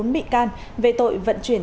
bốn bị can về tội vận chuyển